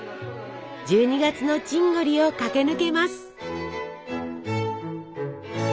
１２月のチンゴリを駆け抜けます！